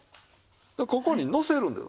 でここにのせるんです。